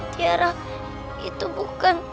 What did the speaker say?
tiara itu bukan